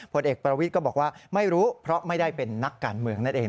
ผลเอกประวิทย์ก็บอกว่าไม่รู้เพราะไม่ได้เป็นนักการเมืองนั่นเอง